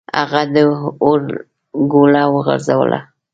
هغه د اور ګوله وغورځوله.